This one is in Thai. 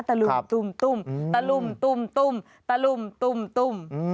ตะลุมตุมตุมตะลุมตุมตุมตะลุมตุมตุม